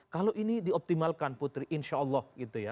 kalau ini dioptimalkan putri insya allah